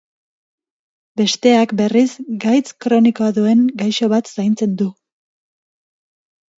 Besteak, berriz, gaitz kronikoa duen gaixo bat zaintzen du.